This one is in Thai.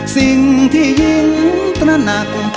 สิ่งที่ยิ่งตระหนัก